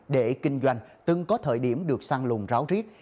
để kinh doanh từng có thời điểm được săn lùng ráo riết